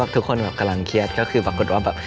ไม่มีขอบแม้ใจที่มันอ่อนไหว